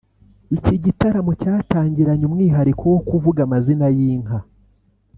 Iki gitaramo cyatangiranye umwihariko wo kuvuga amazina y’inka